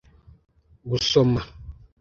gusoma